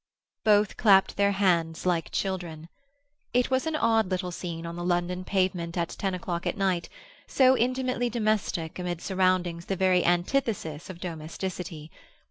Both clapped their hands like children. It was an odd little scene on the London pavement at ten o'clock at night; so intimately domestic amid surroundings the very antithesis of domesticity.